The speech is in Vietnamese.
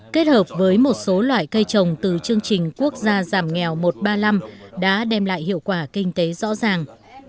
kết hợp với một số loại cây trồng từ chương trình quốc gia giảm nghèo một trăm ba mươi năm đã đem lại hiệu quả kinh tế rõ ràng